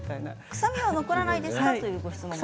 臭みは残らないですかという質問です。